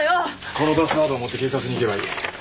このパスワードを持って警察に行けばいい。